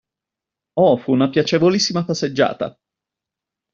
Oh, fu una piacevolissima passeggiata!